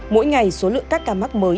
mỗi ngày số lượng các ca mắc mới